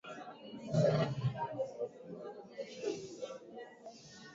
Kulingana na takwimu za Januari elfu mbili na ishirini na mbili kutoka Benki Kuu ya Uganda